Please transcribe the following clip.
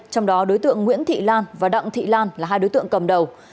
trong đó đối tượng nguyễn thị lan và đặng thị lan là hai đối tượng cầm đầu